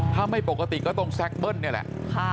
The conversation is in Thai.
ถ้าไม่ปกติก็ต้องแซคเบิ้ลนี่แหละ